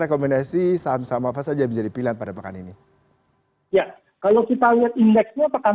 rekomendasi saham saham apa saja menjadi pilihan pada pekan ini ya kalau kita lihat indeksnya pekan